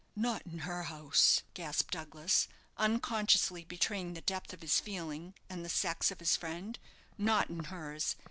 "Not in her house," gasped Douglas, unconsciously betraying the depth of his feeling and the sex of his friend; "not in hers.